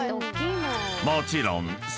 ［もちろん］